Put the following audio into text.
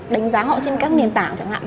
đánh giá họ trên các nền tảng chẳng hạn